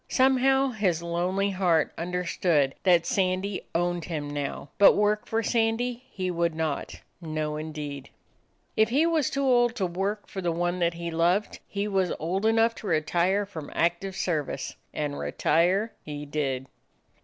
Somehow his lonely heart understood that Sandy owned him now. But work for Sandy he would not; no, indeed. If he was too old to work for the one that he loved, he 97 DOG HEROES OF MANY LANDS was old enough to retire from active service, and retire he did.